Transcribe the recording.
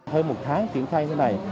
hơn một tháng triển khai thế này